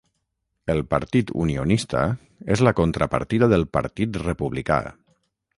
El Partit Unionista és la contrapartida del Partit Republicà.